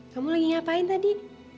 kamu lagi ngapain tadi